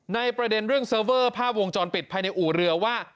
ประเด็นเรื่องเซิร์ฟเวอร์ภาพวงจรปิดภายในอู่เรือว่า